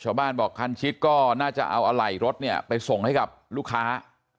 ชาวบ้านบอกคันชิดก็น่าจะเอาอะไหล่รถเนี่ยไปส่งให้กับลูกค้า